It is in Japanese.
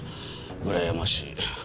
うらやましい。